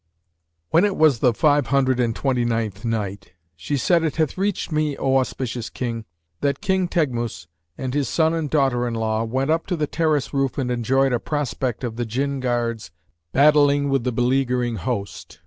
When it was the Five Hundred and Twenty ninth Night, She said, It hath reached me, O auspicious King, that "King Teghmus and his son and daughter in law went up to the terrace roof and enjoyed a prospect of the Jinn guards battling with the beleaguering host.